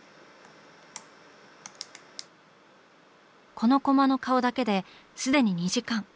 このコマの顔だけですでに２時間。